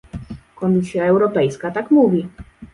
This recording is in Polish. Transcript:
Komisja Europejska tak mówi